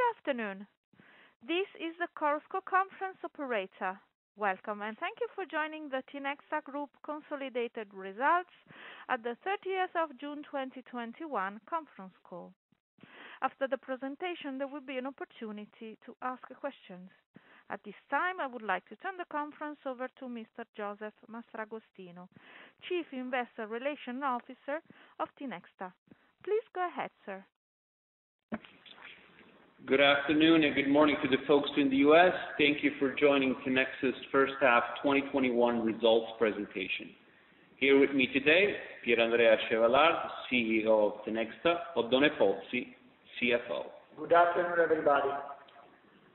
Good afternoon. This is the Chorus Call Conference operator. Welcome, and thank you for joining the Tinexta Group Consolidated Results at the 30th of June 2021 conference call. After the presentation, there will be an opportunity to ask questions. At this time, I would like to turn the conference over to Mr. Josef Mastragostino, Chief Investor Relations Officer of Tinexta. Please go ahead, sir. Thank you. Good afternoon, and good morning to the folks in the U.S. Thank you for joining Tinexta's first half 2021 results presentation. Here with me today, Pier Andrea Chevallard, CEO of Tinexta, Oddone Pozzi, CFO. Good afternoon, everybody.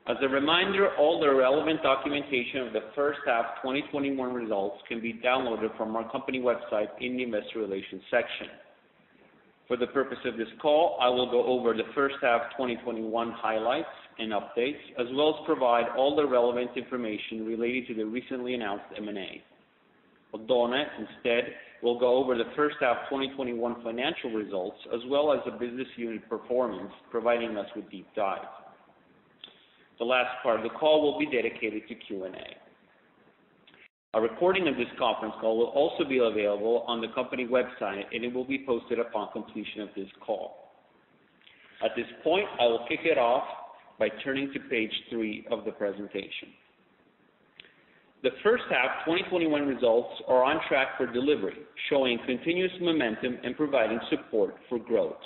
As a reminder, all the relevant documentation of the first half 2021 results can be downloaded from our company website in the investor relations section. For the purpose of this call, I will go over the first half 2021 highlights and updates, as well as provide all the relevant information related to the recently announced M&A. Oddone, instead, will go over the first half 2021 financial results, as well as the business unit performance, providing us with deep dive. The last part of the call will be dedicated to Q&A. A recording of this conference call will also be available on the company website, and it will be posted upon completion of this call. At this point, I will kick it off by turning to page three of the presentation. The first half 2021 results are on track for delivery, showing continuous momentum and providing support for growth.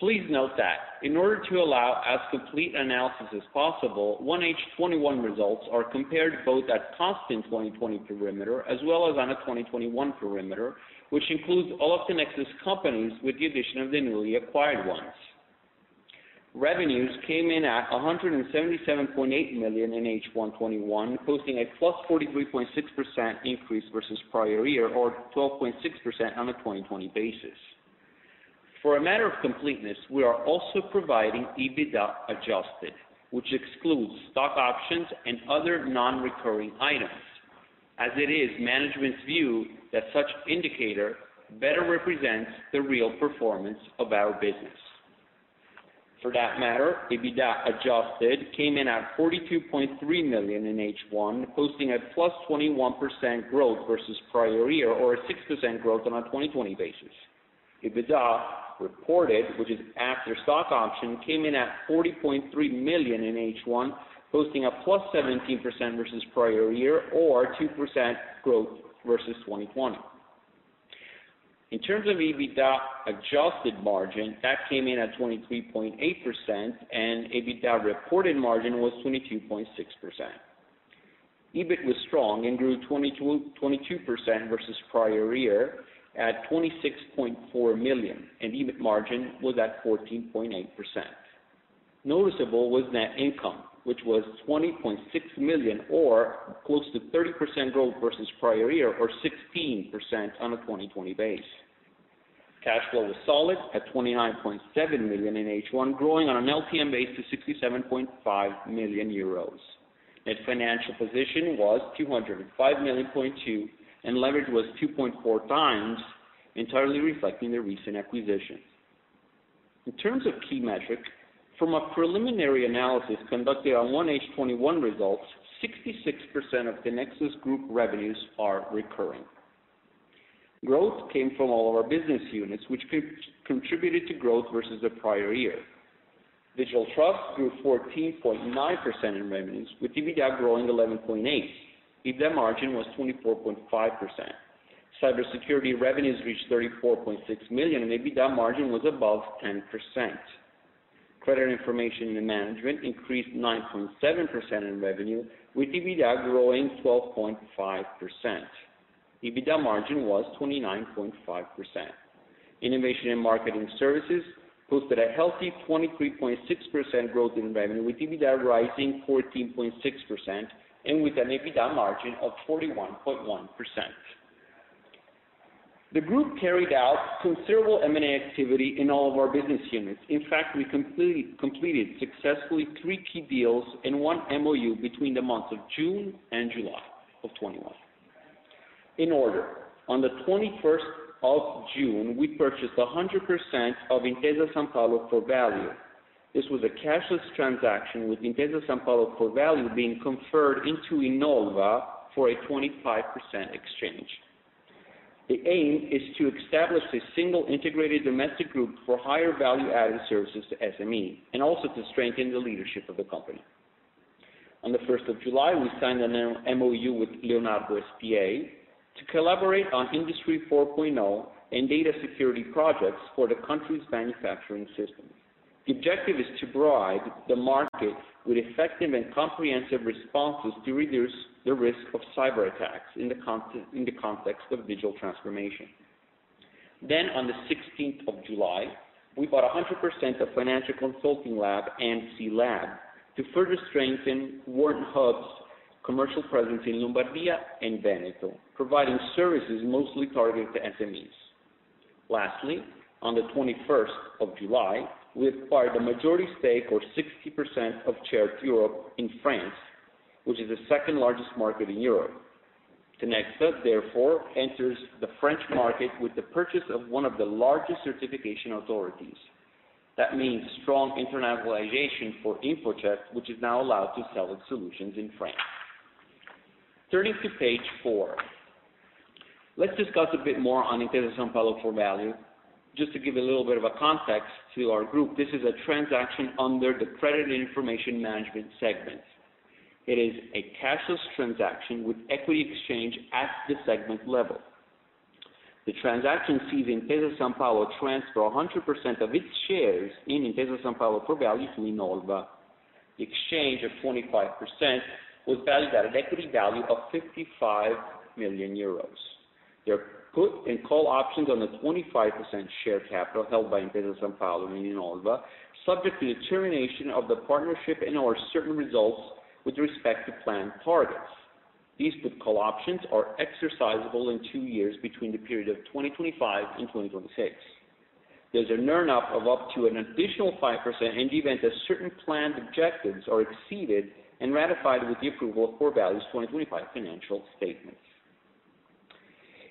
Please note that in order to allow as complete analysis as possible, 1H21 results are compared both at constant 2020 perimeter as well as on a 2021 perimeter, which includes all of Tinexta's companies with the addition of the newly acquired ones. Revenues came in at EUR 177.8 million in H121, posting a plus 43.6% increase versus prior year or 12.6% on a 2020 basis. For a matter of completeness, we are also providing EBITDA adjusted, which excludes stock options and other non-recurring items, as it is management's view that such indicator better represents the real performance of our business. For that matter, EBITDA adjusted came in at 42.3 million in H1, posting a plus 21% growth versus prior year or a six percent growth on a 2020 basis. EBITDA reported, which is after stock option, came in at 40.3 million in H1, posting a plus 17% versus prior year or two percent growth versus 2020. In terms of EBITDA adjusted margin, that came in at 23.8%, and EBITDA reported margin was 22.6%. EBIT was strong and grew 22% versus prior year at 26.4 million, and EBIT margin was at 14.8%. Noticeable was net income, which was 20.6 million or close to 30% growth versus prior year or 16% on a 2020 base. Cash flow was solid at 29.7 million in H1, growing on an LTM base to 67.5 million euros. Net financial position was 205.2 million, and leverage was two point four times, entirely reflecting the recent acquisitions. In terms of key metrics, from a preliminary analysis conducted on 1H21 results, 66% of Tinexta's group revenues are recurring. Growth came from all of our business units, which contributed to growth versus the prior year. Digital Trust grew 14.9% in revenues, with EBITDA growing 11.8%. EBITDA margin was 24.5%. Cybersecurity revenues reached 34.6 million, and EBITDA margin was above 10%. Credit Information and Management increased 9.7% in revenue, with EBITDA growing 12.5%. EBITDA margin was 29.5%. Innovation and Marketing Services posted a healthy 23.6% growth in revenue, with EBITDA rising 14.6% and with an EBITDA margin of 41.1%. The group carried out considerable M&A activity in all of our business units. In fact, we completed successfully three key deals and one MOU between the months of June and July of 2021. In order, on the 21st of June, we purchased 100% of Intesa Sanpaolo Forvalue. This was a cashless transaction with Intesa Sanpaolo Forvalue being conferred into Innolva for a 25% exchange. The aim is to establish a single integrated domestic group for higher value-added services to SMEs and also to strengthen the leadership of the company. On the first of July, we signed an MOU with Leonardo S.p.A. to collaborate on Industry 4.0 and data security projects for the country's manufacturing systems. The objective is to provide the market with effective and comprehensive responses to reduce the risk of cyberattacks in the context of digital transformation. On the 16th of July, we bought 100% of Financial Consulting Lab, FCLab, to further strengthen Warrant Hub's commercial presence in Lombardia and Veneto, providing services mostly targeted to SMEs. Lastly, on the 21st of July, we acquired a majority stake or 60% of CertEurope in France, which is the second largest market in Europe. Tinexta therefore enters the French market with the purchase of one of the largest certification authorities. That means strong internationalization for InfoCert, which is now allowed to sell its solutions in France. Turning to page four, let's discuss a bit more on Intesa Sanpaolo Forvalue. Just to give a little bit of a context to our group, this is a transaction under the credit information management segment. It is a cashless transaction with equity exchange at the segment level. The transaction sees Intesa Sanpaolo transfer 100% of its shares in Intesa Sanpaolo Forvalue to Innolva. The exchange of 25% was valued at an equity value of 55 million euros. There are put and call options on the 25% share capital held by Intesa Sanpaolo in Innolva, subject to the termination of the partnership and/or certain results with respect to plan targets. These put call options are exercisable in two years between the period of 2025 and 2026. There's an earn up of up to an additional five percent in the event that certain planned objectives are exceeded and ratified with the approval of Forvalue's 2025 financial statements.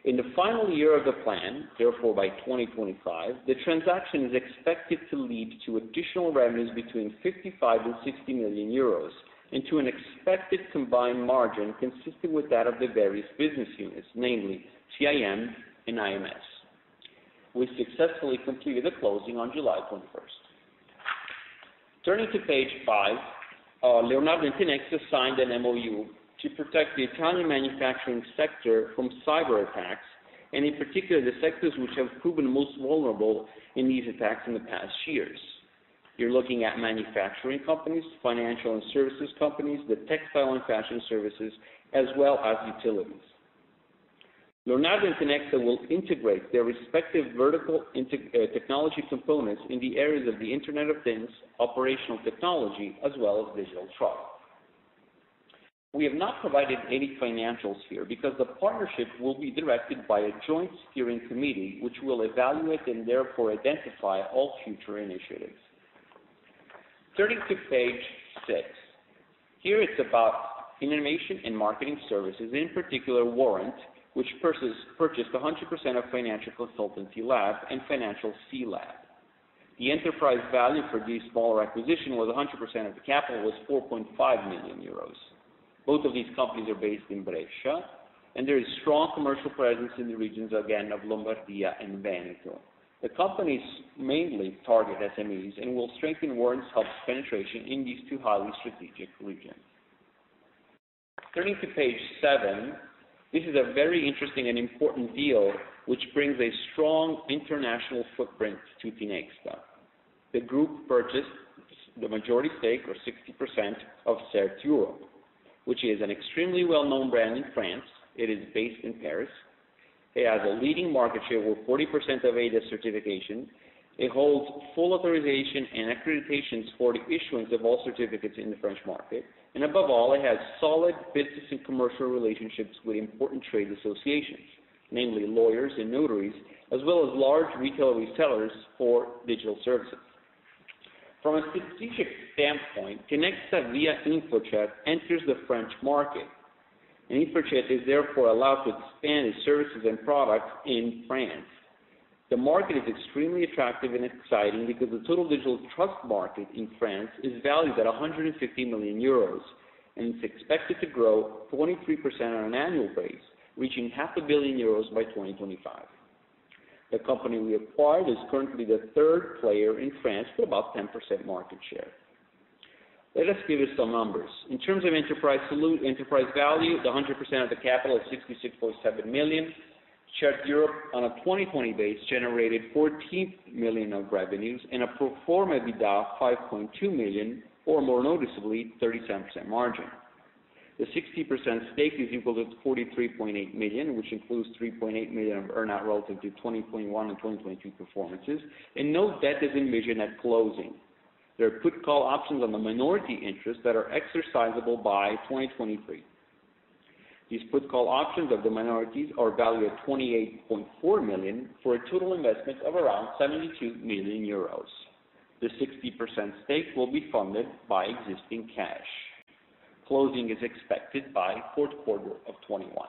In the final year of the plan, therefore by 2025, the transaction is expected to lead to additional revenues between 55 and 60 million euros into an expected combined margin consistent with that of the various business units, namely CIM and IMS. We successfully completed the closing on July 21st. Turning to page five, Leonardo and Tinexta signed an MOU to protect the Italian manufacturing sector from cyber attacks and in particular, the sectors which have proven most vulnerable in these attacks in the past years. You're looking at manufacturing companies, financial and services companies, the textile and fashion services, as well as utilities. Leonardo and Tinexta will integrate their respective vertical technology components in the areas of the Internet of Things, operational technology, as well as Digital Trust. We have not provided any financials here because the partnership will be directed by a joint steering committee, which will evaluate and therefore identify all future initiatives. Turning to page six. Here it's about Innovation and Marketing Services, and in particular Warrant, which purchased 100% of Financial Consulting Lab and Financial CLab. The enterprise value for this small acquisition with 100% of the capital was 4.5 million euros. Both of these companies are based in Brescia, and there is strong commercial presence in the regions, again, of Lombardia and Veneto. The companies mainly target SMEs and will strengthen Warrant Hub's penetration in these two highly strategic regions. Turning to page seven, this is a very interesting and important deal, which brings a strong international footprint to Tinexta. The group purchased the majority stake or 60% of CertEurope, which is an extremely well-known brand in France. It is based in Paris. It has a leading market share with 40% of ADA certification. It holds full authorization and accreditations for the issuance of all certificates in the French market. Above all, it has solid business and commercial relationships with important trade associations, namely lawyers and notaries, as well as large retail resellers for digital services. From a strategic standpoint, Tinexta via InfoCert enters the French market, and Infocert is therefore allowed to expand its services and products in France. The market is extremely attractive and exciting because the total Digital Trust market in France is valued at 150 million euros and is expected to grow 23% on an annual base, reaching half a billion EUR by 2025. The company we acquired is currently the third player in France with about 10% market share. Let us give you some numbers. In terms of enterprise value, the 100% of the capital is 66.7 million. CertEurope on a 2020 base generated 14 million of revenues and a pro forma EBITDA of 5.2 million, or more noticeably, 37% margin. The 60% stake is equal to 43.8 million, which includes 3.8 million of earn out relative to 2021 and 2023 performances, and no debt is envisioned at closing. There are put call options on the minority interest that are exercisable by 2023. These put call options of the minorities are valued at 28.4 million for a total investment of around 72 million euros. The 60% stake will be funded by existing cash. Closing is expected by fourth quarter of 2021.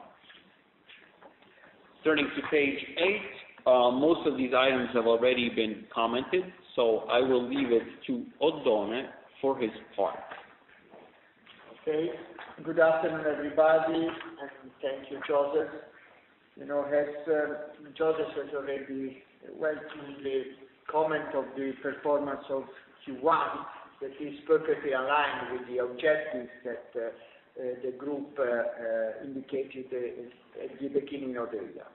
Turning to page eight, most of these items have already been commented, I will leave it to Oddone for his part. Okay. Good afternoon, everybody, and thank you, Josef. As Josef has already welcomed the comment of the performance of Q1 that is perfectly aligned with the objectives that the group indicated at the beginning of the year.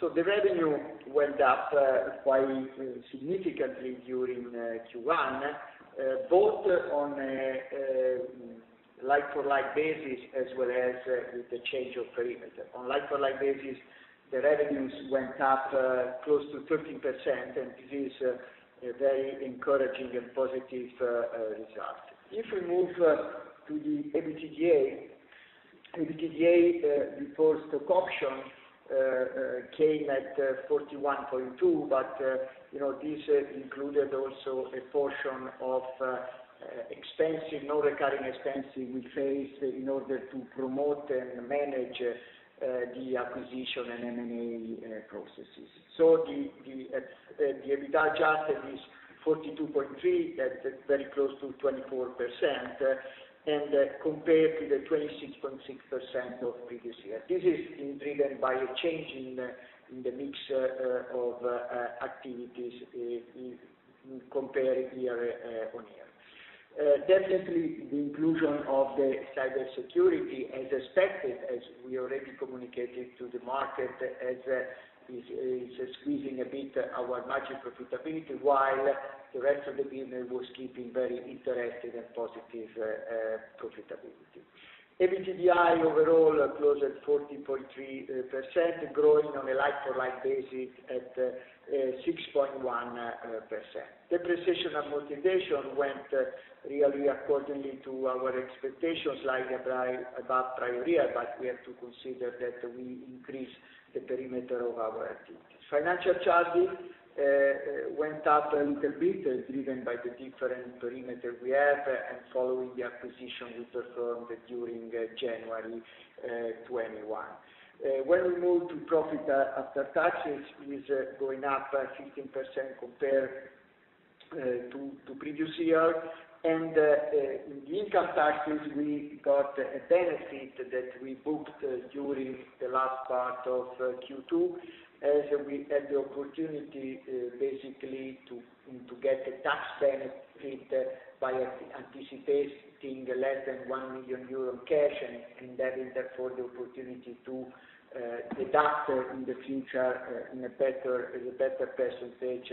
The revenue went up quite significantly during Q1, both on a like-for-like basis as well as with the change of perimeter. On like-for-like basis, the revenues went up close to 13%, and this is a very encouraging and positive result. If we move to the EBITDA before stock options came at 41.2, but this included also a portion of non-recurring expenses we faced in order to promote and manage the acquisition and M&A processes. The EBITDA adjusted is 42.3, that is very close to 24%, and compared to the 26.6% of previous year. This is driven by a change in the mix of activities compared year-on-year. Definitely, the inclusion of the cybersecurity, as expected, as we already communicated to the market, is squeezing a bit our margin profitability while the rest of the business was keeping very interesting and positive profitability. EBITDA overall closed at 14.3%, growing on a like-for-like basis at six point one percent. Depreciation amortization went really accordingly to our expectations, like above prior year. We have to consider that we increased the perimeter of our activities. Financial charges went up a little bit, driven by the different perimeter we have and following the acquisition we performed during January 2021. We move to profit after taxes is going up 15% compared to previous year. The income taxes, we got a benefit that we booked during the last part of Q2, as we had the opportunity, basically, to get a tax benefit by anticipating less than 1 million euro cash, that is therefore the opportunity to deduct in the future, in a better percentage,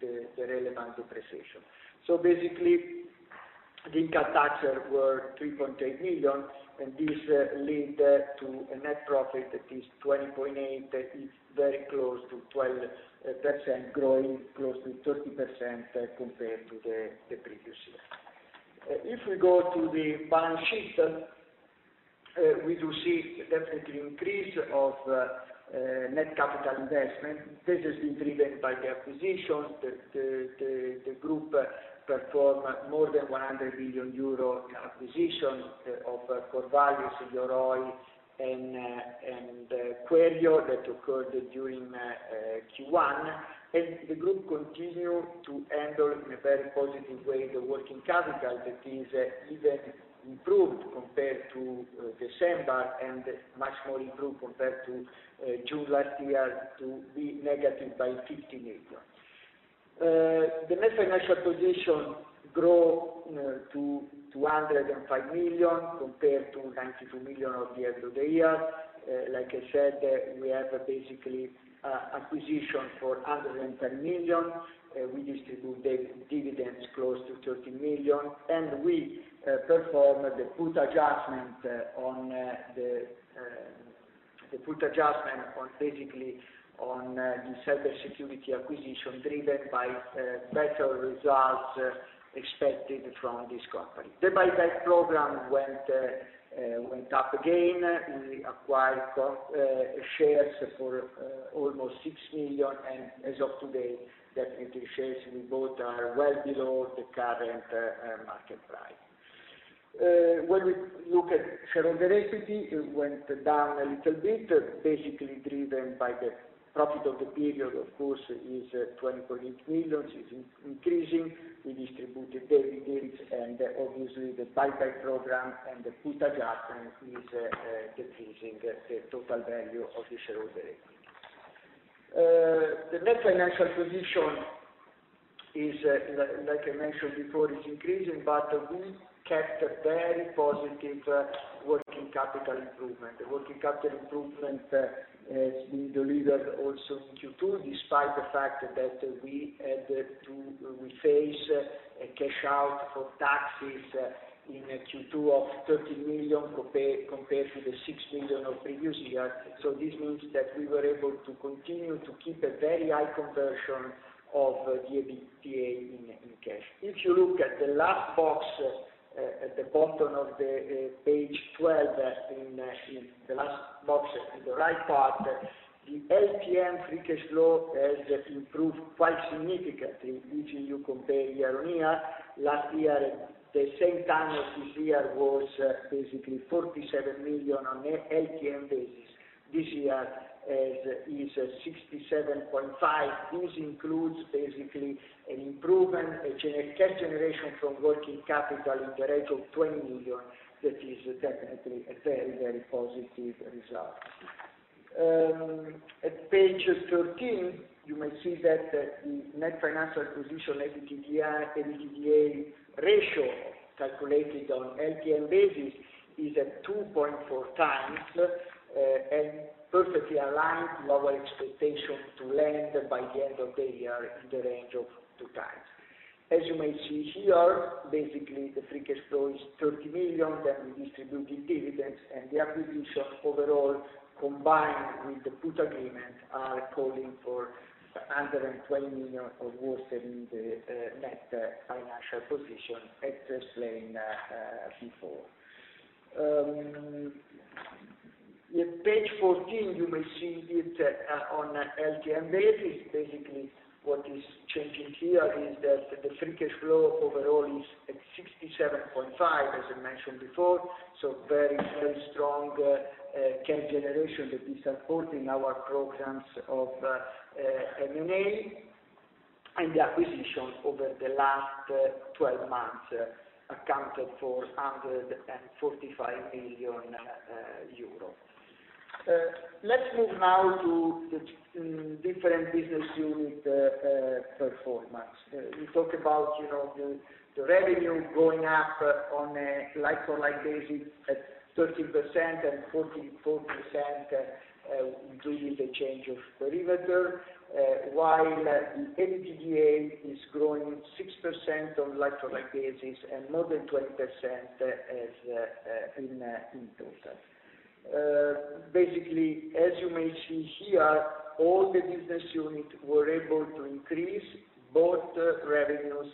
the relevant depreciation. Basically, the income taxes were 3.8 million. This led to a net profit that is 20.8 million. It's very close to 12%, growing close to 30% compared to the previous year. If we go to the balance sheet, we do see definitely increase of net capital investment. This has been driven by the acquisition that the group performed, more than 100 million euros acquisition of Corvallis, Yoroi, and Queryo that occurred during Q1. The group continue to handle in a very positive way the working capital that is even improved compared to December and much more improved compared to June last year to be negative by 50 million. The net financial position grow to 205 million compared to 92 million of the end of the year. Like I said, we have basically acquisition for 110 million. We distribute dividends close to 13 million, and we perform the put adjustment basically on the cybersecurity acquisition, driven by better results expected from this company. The buyback program went up again. We acquired shares for almost 6 million, and as of today, definitely shares we bought are well below the current market price. When we look at shareholder equity, it went down a little bit, basically driven by the profit of the period, of course, is 20.8 millions, is increasing. We distributed dividends, obviously, the buyback program and the put adjustment is decreasing the total value of the shareholder equity. The net financial position is, like I mentioned before, is increasing, we kept very positive working capital improvement. The working capital improvement has been delivered also in Q2, despite the fact that we face a cash out for taxes in Q2 of 13 million compared to the 6 million of previous year. This means that we were able to continue to keep a very high conversion of the EBITDA in cash. If you look at the last box at the bottom of page 12, in the last box in the right part, the LTM free cash flow has improved quite significantly if you compare year-on-year. Last year, the same time of this year was basically 47 million on an LTM basis. This year is 67.5. This includes basically an improvement in cash generation from working capital in the range of 20 million, that is definitely a very, very positive result. At page 13, you may see that the net financial position, EBITDA ratio, calculated on LTM basis, is at two point four times and perfectly aligned with our expectation to land by the end of the year in the range of two times. As you may see here, basically, the free cash flow is 30 million, then we distribute the dividends, and the acquisitions overall, combined with the put agreement, are calling for 120 million or worse in the net financial position, as explained before. In page 14, you may see it on LTM basis. What is changing here is that the free cash flow overall is at 67.5 million, as I mentioned before, very strong cash generation that is supporting our programs of M&A, and the acquisitions over the last 12 months accounted for 145 million euro. Let's move now to the different business unit performance. We talk about the revenue going up on a like-for-like basis at 30% and 44%, including the change of perimeter, while the EBITDA is growing six percent on like-for-like basis and more than 20% in total. As you may see here, all the business units were able to increase both revenues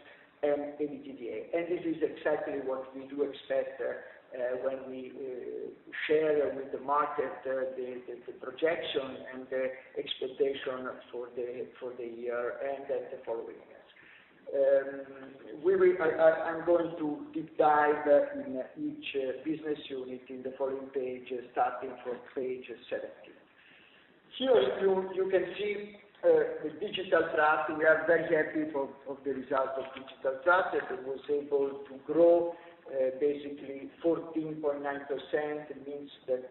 and EBITDA. This is exactly what we do expect when we share with the market the projection and the expectation for the year and the following years. I'm going to deep dive in each business unit in the following page, starting from page 17. Here, you can see the Digital Trust. We are very happy of the result of Digital Trust, that it was able to grow basically 14.9%. It means that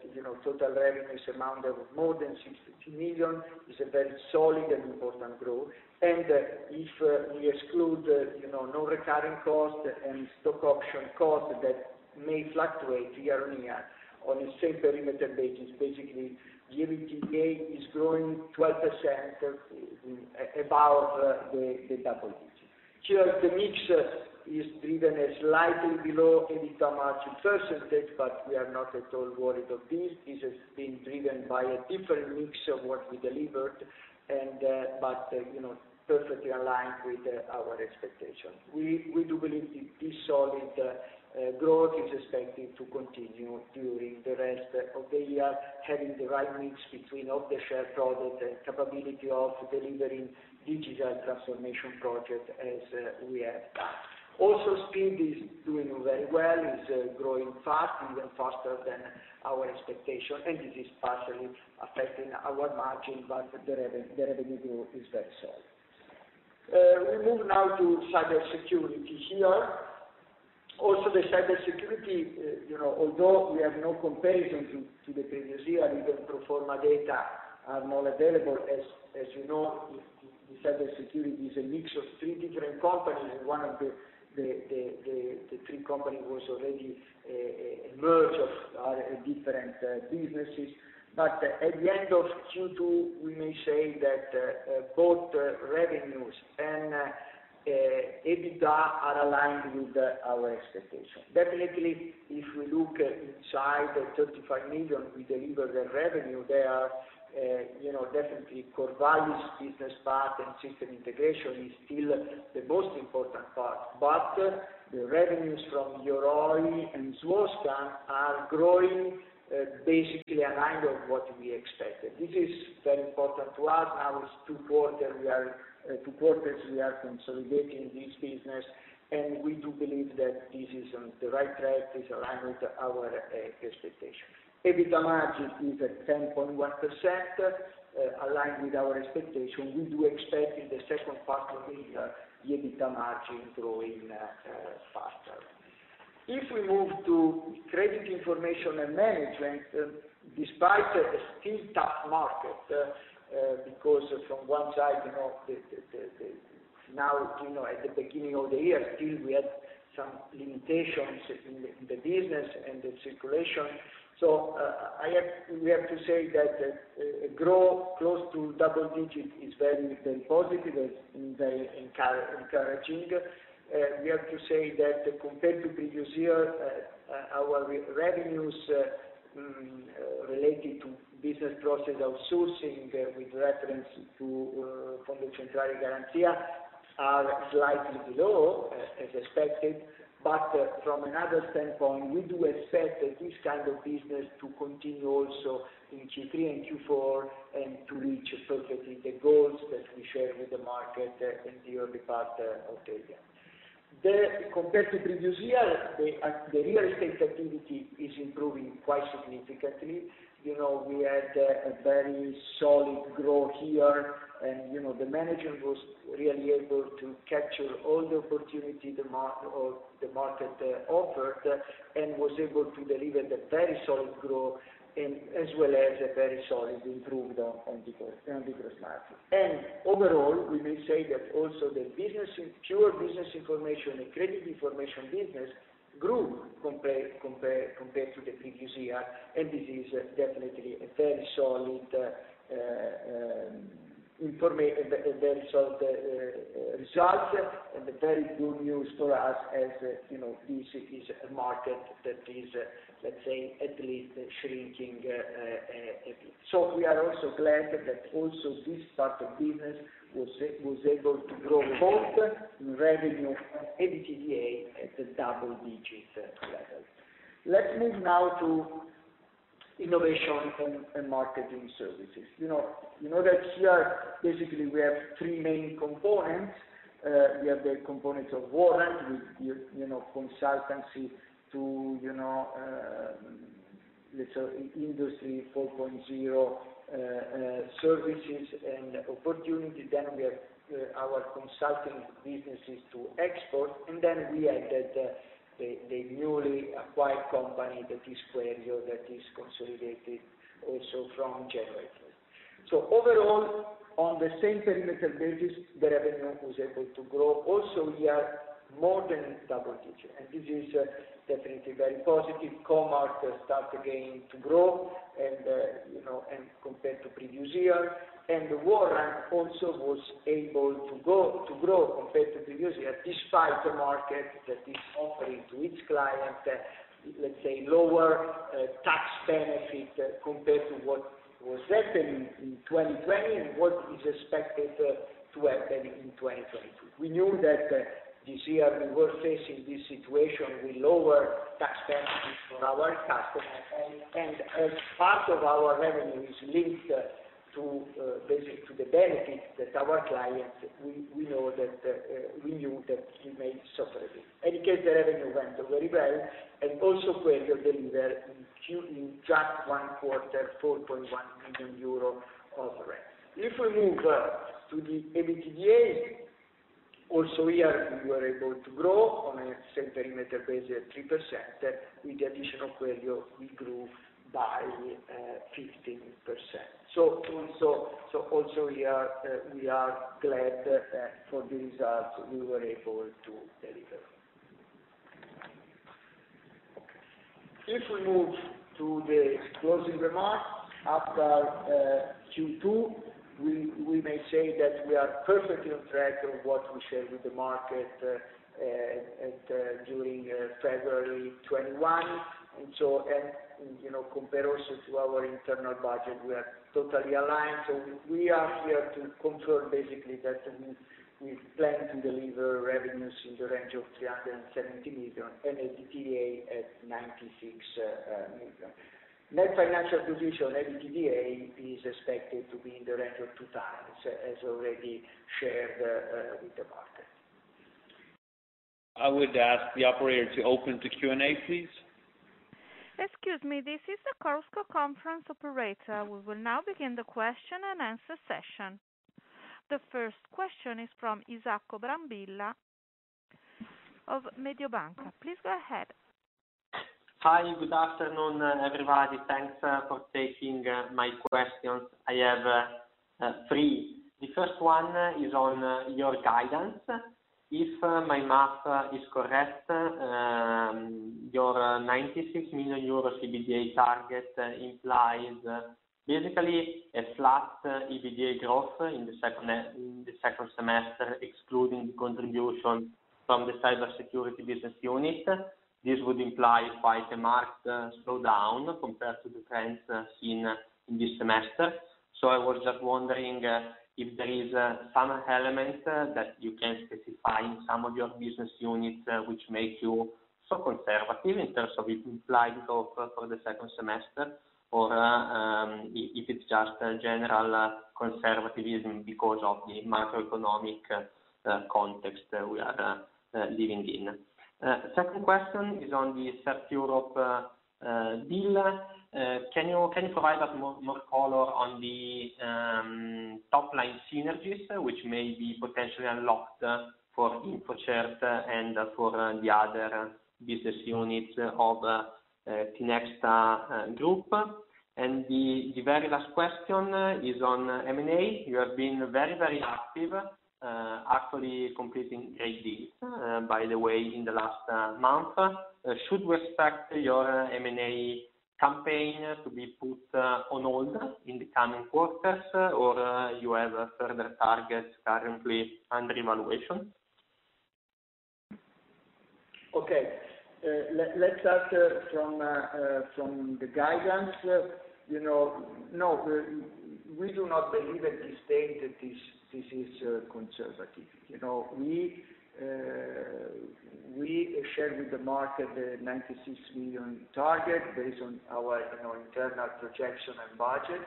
total revenues amounted of more than 62 million, is a very solid and important growth. If we exclude non-recurring costs and stock option costs that may fluctuate year on year, on a same perimeter basis, basically, the EBITDA is growing 12% above the double digits. Here, the mix is driven as slightly below EBITDA margin percentage, but we are not at all worried of this. This has been driven by a different mix of what we delivered. Perfectly aligned with our expectation. We do believe this solid growth is expected to continue during the rest of the year, having the right mix between off-the-shelf product and capability of delivering digital transformation project as we have done. SPID is doing very well, is growing fast, even faster than our expectation, and this is partially affecting our margin, but the revenue is very solid. We move now to cybersecurity here. The cybersecurity, although we have no comparison to the previous year, even pro forma data are more available. As you know, the cybersecurity is a mix of three different companies, and one of the three company was already a merge of different businesses. At the end of Q2, we may say that both revenues and EBITDA are aligned with our expectation. Definitely, if we look inside the 35 million, we deliver the revenue, there are definitely core values, business part, and system integration is still the most important part. The revenues from Yoroi and Swascan are growing basically in line of what we expected. This is very important to us. Our two quarters we are consolidating this business, and we do believe that this is on the right track, is aligned with our expectation. EBITDA margin is at 10.1%, aligned with our expectation. We do expect in the second part of the year, the EBITDA margin growing faster. If we move to credit information and management, despite the still tough market, because from one side, now at the beginning of the year, still we had some limitations in the business and the circulation. We have to say that grow close to double digit is very positive and very encouraging. We have to say that compared to previous year, our revenues related to business process outsourcing with reference from the Centrale Garanzia are slightly below, as expected. From another standpoint, we do expect this kind of business to continue also in Q3 and Q4, and to reach perfectly the goals that we shared with the market in the early part of the year. Compared to previous year, the real estate activity is improving quite significantly. We had a very solid growth here, and the management was really able to capture all the opportunity the market offered, and was able to deliver the very solid growth, as well as a very solid improved EBITDA margin. Overall, we may say that also the pure business information and credit information business grew compared to the previous year, and this is definitely a very solid result, and very good news for us, as this is a market that is, let's say, at least shrinking. So we are also glad that also this part of business was able to grow both in revenue and EBITDA at the double digits level. Let's move now to innovation and marketing services. You know that here, basically, we have three main components. We have the component of Warrant, with consultancy to, let's say, Industry four point zero services and opportunity. We have our consulting businesses to export, we added the newly acquired company that is Queryo, that is consolidated also from January first. Overall, on the same perimeter basis, the revenue was able to grow, also here, more than double digits. This is definitely very positive. Co.Mark start again to grow, compared to previous year, and Warrant also was able to grow compared to previous year, despite the market that is offering to its clients, let's say, lower tax benefit compared to what was happening in 2020 and what is expected to happen in 2022. We knew that this year we were facing this situation with lower tax benefits for our customers, as part of our revenue is linked to the benefit that our clients, we knew that we may suffer a bit. Any case, the revenue went very well, Queryo deliver in just one quarter, 4.1 million euro of revenue. If we move to the EBITDA, also here, we were able to grow on a same perimeter base at three percent, with the addition of Queryo, we grew by 15%. Also here, we are glad for the results we were able to deliver. If we move to the closing remarks, after Q2, we may say that we are perfectly on track of what we shared with the market during February 2021. Comparison to our internal budget, we are totally aligned. We are here to confirm, basically that we plan to deliver revenues in the range of 370 million and EBITDA at 96 million. Net financial position, EBITDA, is expected to be in the range of two times, as already shared with the market. I would ask the operator to open to Q&A, please. Excuse me. This is the Chorus Call Conference operator. We will now begin the question and answer session. The first question is from Isacco Brambilla of Mediobanca. Please go ahead. Hi. Good afternoon, everybody. Thanks for taking my questions. I have three. The first one is on your guidance. If my math is correct, your EUR 96 million EBITDA target implies basically a flat EBITDA growth in the second semester, excluding the contribution from the cybersecurity business unit. This would imply quite a marked slowdown compared to the trends seen in this semester. I was just wondering if there is some element that you can specify in some of your business units which make you so conservative in terms of implied growth for the second semester, or if it's just general conservatism because of the macroeconomic context we are living in. Second question is on the CertEurope deal. Can you provide us more color on the top line synergies, which may be potentially unlocked for Infocert and for the other business units of Tinexta Group? The very last question is on M&A. You have been very active, actually completing great deals, by the way, in the last month. Should we expect your M&A campaign to be put on hold in the coming quarters, or you have further targets currently under evaluation? Okay. Let's start from the guidance. No, we do not believe at this stage that this is conservative. We shared with the market the 96 million target based on our internal projection and budget.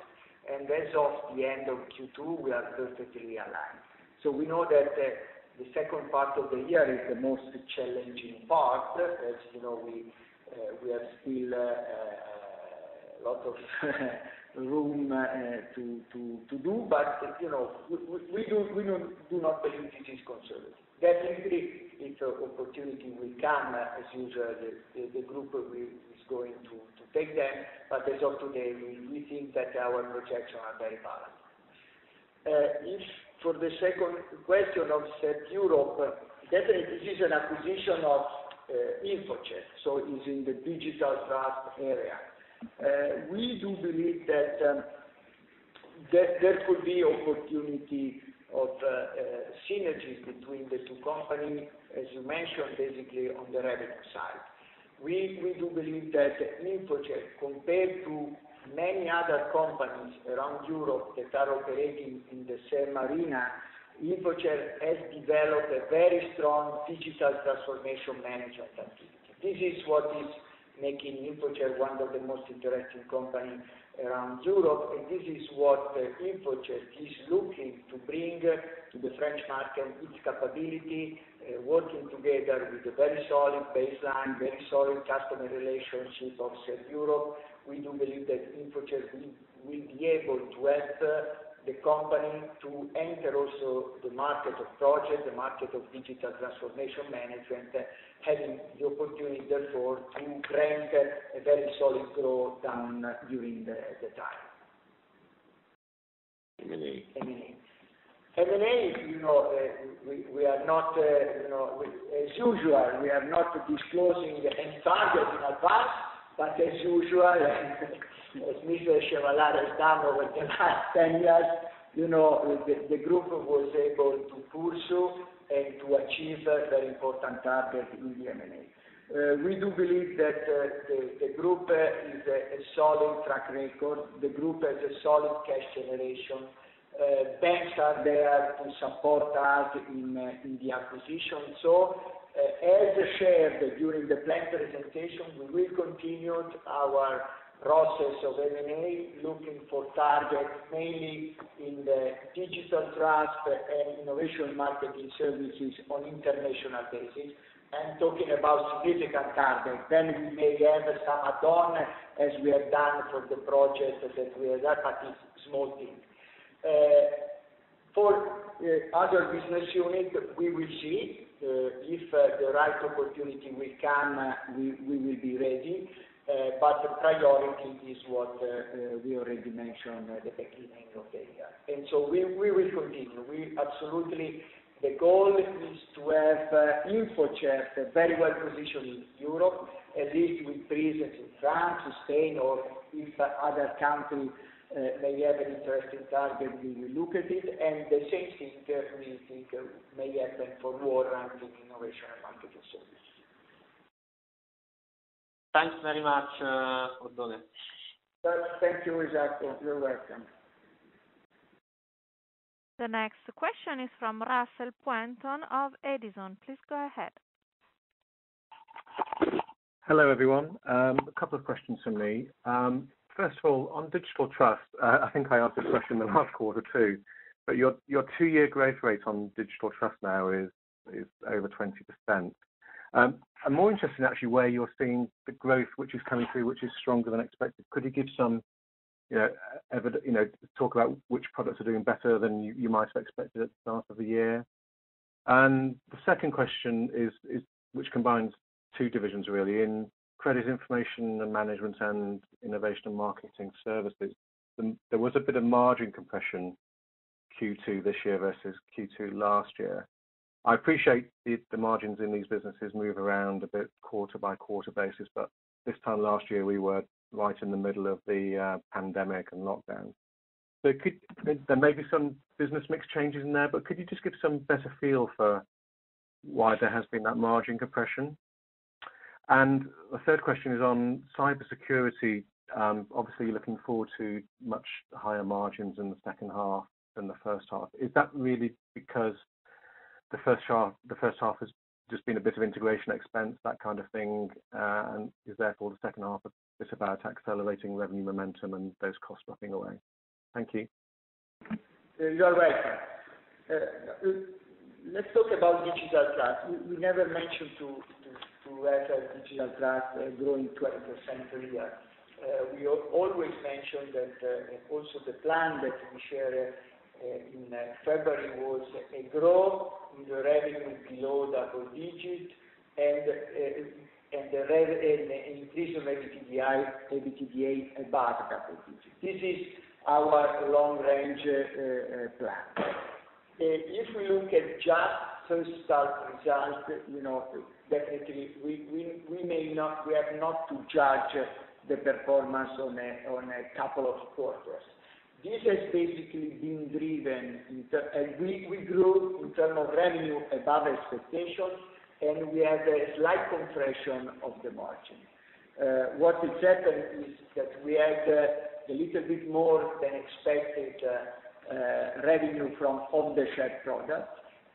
As of the end of Q2, we are perfectly aligned. We know that the second part of the year is the most challenging part. As you know, we have still a lot of room to do, but we do not believe it is conservative. Definitely, if an opportunity will come, as usual, the group is going to take that. As of today, we think that our projections are very balanced. For the second question of CertEurope, definitely this is an acquisition of InfoCert, so it's in the Digital Trust area. We do believe that there could be opportunity of synergies between the two companies, as you mentioned, basically on the revenue side. We do believe that InfoCert, compared to many other companies around Europe that are operating in the same arena, InfoCert has developed a very strong digital transformation management activity. This is what is making InfoCert one of the most interesting company around Europe, and this is what InfoCert is looking to bring to the French market, its capability, working together with a very solid baseline, very solid customer relationship of CertEurope. We do believe that InfoCert will be able to help the company to enter also the market of project, the market of digital transformation management, having the opportunity, therefore, to bring a very solid growth down during the time. M&A? M&A. We are not as usual, we are not disclosing any target in advance. As usual, as Mr. Chevallard has done over the last 10 years, the group was able to pursue and to achieve very important targets in the M&A. We do believe that the group is a solid track record. The group has a solid cash generation. Banks are there to support us in the acquisition. As shared during the plan presentation, we will continue our process of M&A, looking for targets mainly in the Digital Trust and innovation marketing services on international basis, and talking about significant targets. We may have some add-on, as we have done for the projects that we have, but it's small things. For other business unit, we will see. If the right opportunity will come, we will be ready. Priority is what we already mentioned at the beginning of the year. We will continue. Absolutely, the goal is to have Infocert very well positioned in Europe, at least with presence in France, Spain, or if other country may have an interesting target, we will look at it. The same thing we think may happen for Warrant Hub in innovation and marketing services. Thanks very much, Oddone. Thank you, Isacco. You're welcome. The next question is from Russell Pointon of Edison. Please go ahead. Hello, everyone. A couple of questions from me. First of all, on Digital Trust, I think I asked this question in the last quarter, too, but your two-year growth rate on Digital Trust now is over 20%. I'm more interested in actually where you're seeing the growth which is coming through, which is stronger than expected. Could you talk about which products are doing better than you might have expected at the start of the year? The second question, which combines two divisions, really. In Credit Information and Management and Innovation and Marketing Services, there was a bit of margin compression Q2 this year versus Q2 last year. I appreciate the margins in these businesses move around a bit quarter-by-quarter basis, but this time last year, we were right in the middle of the pandemic and lockdown. There may be some business mix changes in there, but could you just give some better feel for why there has been that margin compression? The third question is on cybersecurity. Obviously, you're looking forward to much higher margins in the second half than the first half. Is that really because the first half has just been a bit of integration expense, that kind of thing, and is therefore the second half a bit about accelerating revenue momentum and those costs dropping away? Thank you. You are welcome. Let's talk about Digital Trust. We never mentioned to have a Digital Trust growing 20% per year. We always mentioned that also the plan that we share in February was a growth with revenue below double digit and the increase of EBITDA above double digit. This is our long range plan. If we look at just first half result, definitely we have not to judge the performance on a couple of quarters. This has basically been driven, we grew in term of revenue above expectations, and we have a slight compression of the margin. What has happened is that we had a little bit more than expected revenue from off-the-shelf products,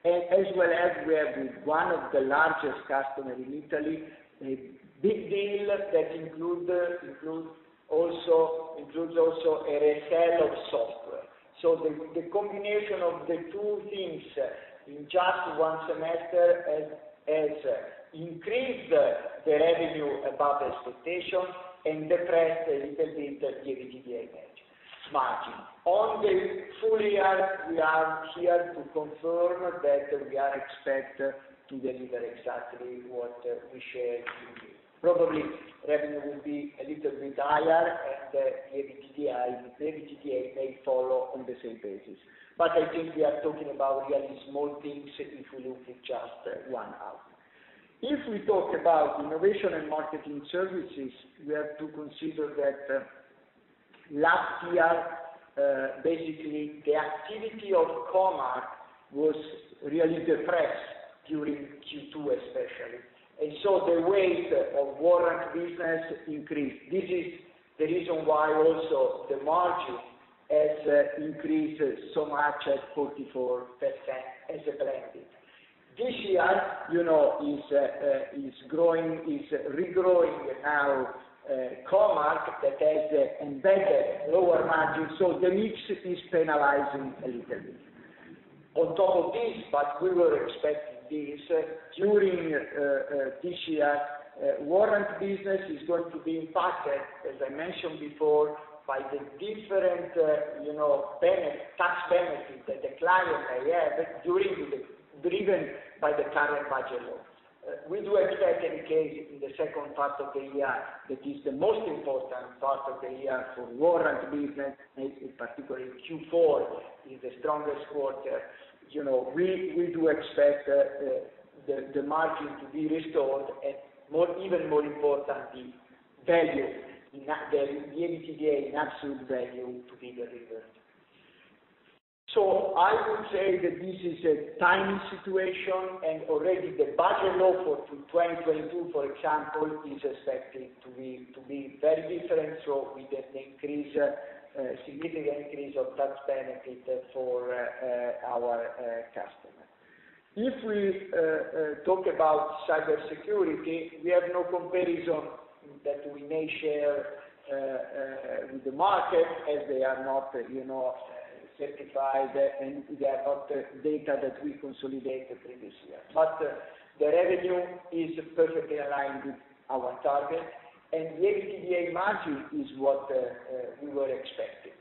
as well as we have with one of the largest customer in Italy, a big deal that includes also a resale of software. The combination of the two things in just one semester has increased the revenue above expectation and depressed a little bit the EBITDA margin. On the full year, we are here to confirm that we are expect to deliver exactly what we shared in June. Probably revenue will be a little bit higher, and the EBITDA may follow on the same basis. I think we are talking about really small things if we look at just one output. If we talk about innovation and marketing services, we have to consider that last year, basically, the activity of Co.Mark was really depressed during Q2 especially. The weight of Warrant business increased. This is the reason why also the margin has increased so much as 44%, as expected. This year, is regrowing now Co.Mark that has embedded lower margins, so the mix is penalizing a little bit. On top of this, we were expecting this, during this year, Warrant business is going to be impacted, as I mentioned before, by the different tax benefits that the clients may have, driven by the current budget law. We do expect, in the second part of the year, that is the most important part of the year for Warrant business, in particular Q4 is the strongest quarter. We do expect the margin to be restored and, even more importantly, value, the EBITDA in absolute value to be delivered. I would say that this is a timing situation, and already the budget law for 2022, for example, is expected to be very different. We get significant increase of tax benefit for our customers. If we talk about cybersecurity, we have no comparison that we may share with the market as they are not certified, and they are not data that we consolidate the previous year. The revenue is perfectly aligned with our target, and the EBITDA margin is what we were expecting.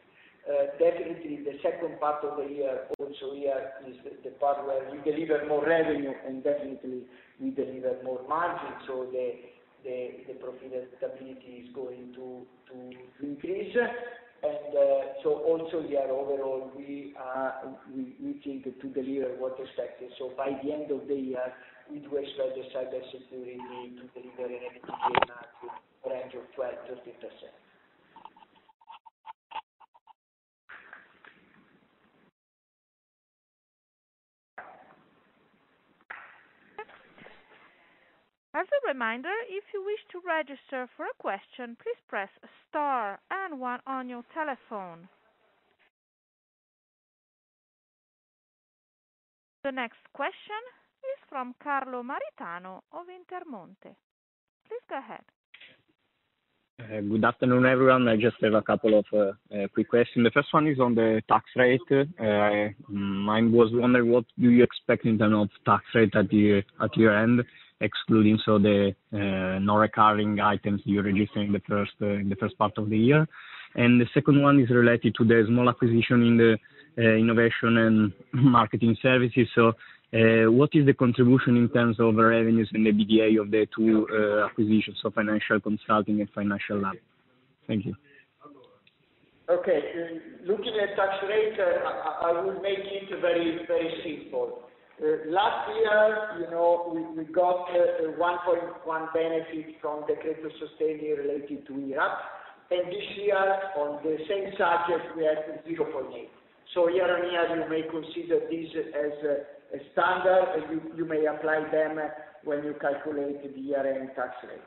Definitely, the second part of the year, also here, is the part where we deliver more revenue, and definitely we deliver more margin, so the profitability is going to increase. Also here, overall, we think to deliver what expected. By the end of the year, we do expect the cybersecurity to deliver an EBITDA margin range of 12%-13%. As a reminder, if you wish to register for a question, please press star and one on your telephone. The next question is from Carlo Maritano of Intermonte. Please go ahead. Good afternoon, everyone. I just have a couple of quick questions. The first one is on the tax rate. Mine was wondering, what do you expect in terms of tax rate at your end, excluding so the non-recurring items you're releasing in the first part of the year? The second one is related to the small acquisition in the innovation and marketing services. What is the contribution in terms of revenues and EBITDA of the two acquisitions of Financial Consulting and Financial Lab? Thank you. Okay. Looking at tax rate, I will make it very simple. Last year, we got a 1.1 benefit from the credit sustained related to R&D, and this year, on the same subject, we have 0.8. Year-on-year, you may consider this as a standard, and you may apply them when you calculate the year-end tax rate.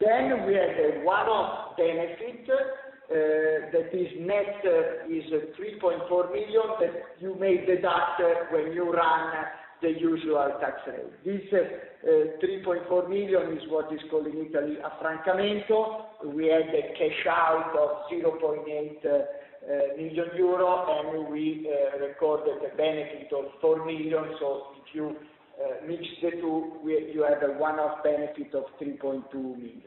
We have a one-off benefit, that is net, is 3.4 million that you may deduct when you run the usual tax rate. This 3.4 million is what is called in Italy, affrancamento. We had a cash out of 0.8 million euro, and we recorded a benefit of 4 million. If you mix the two, you have a one-off benefit of 3.2 million.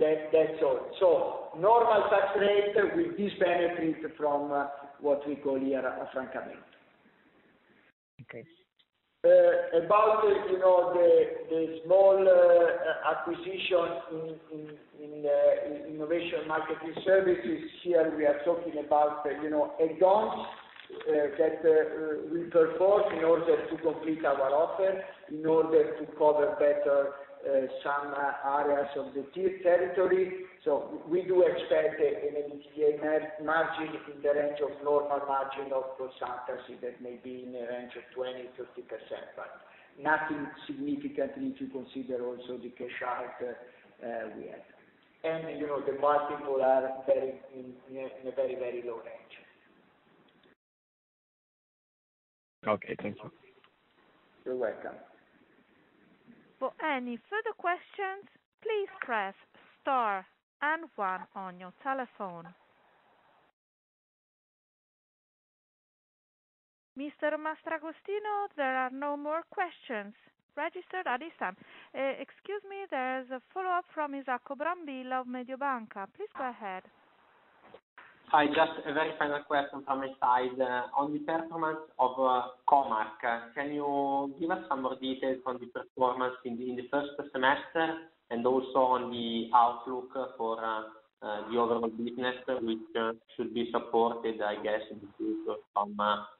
That's all. Normal tax rate with this benefit from what we call here affrancamento. Okay. About the small acquisition in the innovation marketing services, here we are talking about add-ons that we perform in order to complete our offer, in order to cover better some areas of the tier territory. We do expect an EBITDA margin in the range of normal margin of consultancy that may be in the range of 20%-30%, but nothing significant if you consider also the cash out we had. The multiple are in a very low range. Okay. Thank you. You're welcome. For any further questions, please press star and one on your telephone. Mr. Mastragostino, there are no more questions registered at this time. Excuse me, there is a follow-up from Isacco Brambilla of Mediobanca. Please go ahead. Hi, just a very final question from my side. On the performance of Co.Mark, can you give us some more details on the performance in the first semester and also on the outlook for the overall business, which should be supported, I guess, in the future from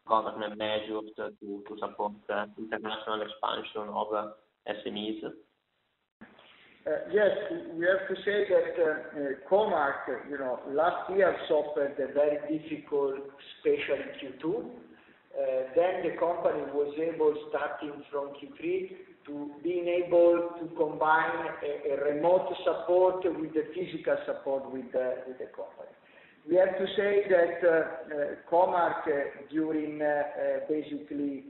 government measures to support international expansion of SMEs? Yes. We have to say that Co.Mark last year suffered a very difficult, especially in Q2. The company was able, starting from Q3, to being able to combine a remote support with the physical support with the company. We have to say that Co.Mark, during basically,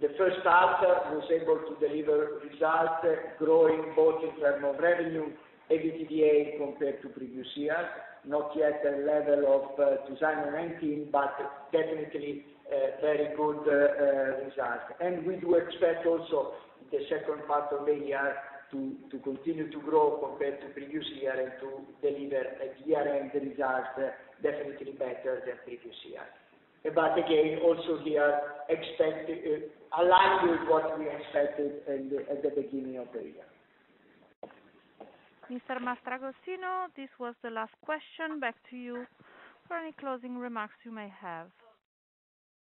the first half, was able to deliver results growing both in term of revenue, EBITDA compared to previous years, not yet a level of 2019, but definitely a very good result. We do expect also the second part of the year to continue to grow compared to previous year and to deliver a year-end result definitely better than previous year. Again, also here, align with what we expected at the beginning of the year. Mr. Mastragostino, this was the last question. Back to you for any closing remarks you may have.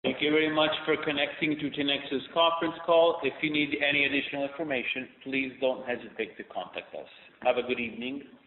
Thank you very much for connecting to Tinexta's conference call. If you need any additional information, please don't hesitate to contact us. Have a good evening. Bye.